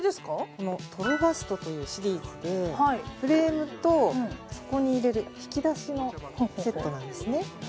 このトロファストというシリーズでフレームとそこに入れる引き出しのセットなんですね